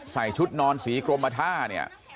ใส่ชุดนอนสีกรมท่าเนี่ย